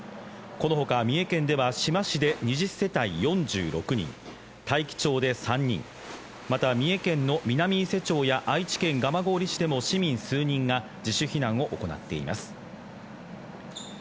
このほか三重県では志摩市で２０世帯４６人、大樹町で３人また三重県の南伊勢町や愛知県蒲郡市でも市民数人が自主避難を行っています。